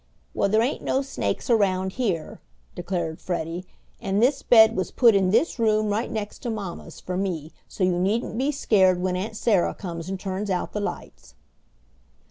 "Well, there ain't no snakes around here," declared Freddie, "an' this bed was put in this room, right next to mama's, for me, so you needn't be scared when Aunt Sarah comes and turns out the lights."